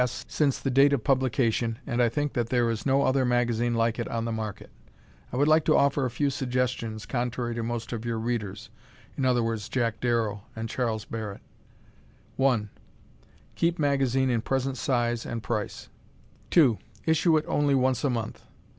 S. since the date of publication and think that there is no other magazine like it on the market. I would like to offer a few suggestions contrary to most of your readers (i.e., Jack Darrow & Chas. Barret): 1. Keep magazine in present size and price. 2. Issue it only once a month.